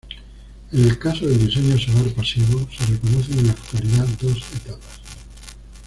En el caso del diseño solar pasivo se reconocen en la actualidad dos etapas.